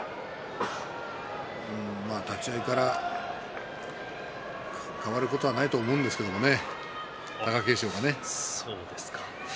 立ち合いから変わることはないと思うんですけれどもね。